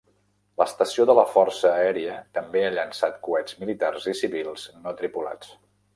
L'estació de la Força Aèria també ha llançat coets militars i civils no tripulats.